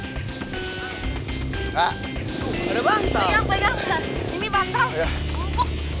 banyak banyak mbak ini bantal